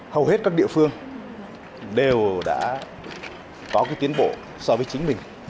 hầu hết các địa phương đều đã có tiến bộ so với chính mình